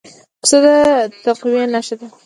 پسه د تقوی نښه ده.